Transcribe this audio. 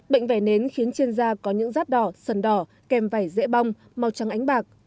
bệnh vẩy nến khiến trên da có những rát đỏ sần đỏ kèm vẩy dễ bong màu trắng ánh bạc